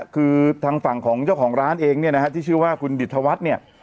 คือทางฝั่งของเจ้าของร้านเองเนี่ยนะฮะที่ชื่อว่าคุณดิตธวัฒน์เนี่ย